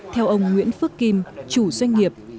theo ông nguyễn phước kim chủ doanh nghiệp